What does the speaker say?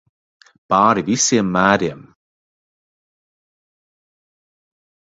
Pāri visiem mēriem.